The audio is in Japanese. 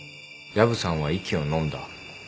薮さんは息をのんだ。